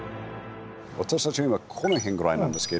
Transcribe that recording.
私たちが今この辺ぐらいなんですけど。